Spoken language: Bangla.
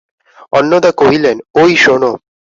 অন্নদা কহিলেন, ঐ শোনো।